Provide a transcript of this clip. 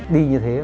đi như thế